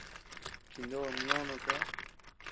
Chinó ama ñò no koʼo.